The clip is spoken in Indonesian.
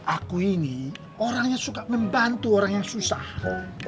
aku ini orang yang suka membantu orang yang susah